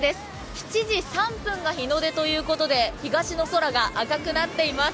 ７時３分が日の出ということで東の空が赤くなっています。